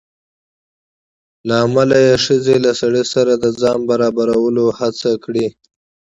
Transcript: له امله ښځې له سړي سره د ځان د برابرولو هڅه کړې